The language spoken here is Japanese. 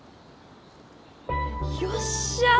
よっしゃ！